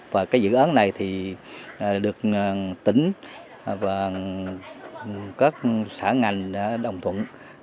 và cái dự án này được tính và các xã ngành đã đồng thuận